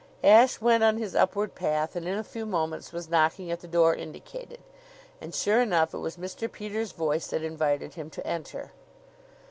Ashe went on his upward path and in a few moments was knocking at the door indicated. And sure enough it was Mr. Peters' voice that invited him to enter.